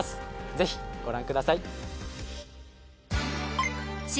ぜひご覧ください！